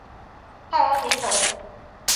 太安明侯